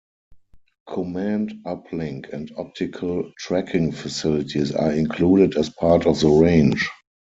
Command uplink and optical tracking facilities are included as part of the range.